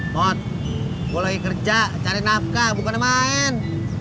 mot gue lagi kerja cari nafkah bukannya main